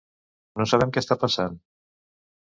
No sabem què està passant.